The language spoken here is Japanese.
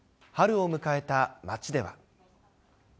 春を迎えた街では。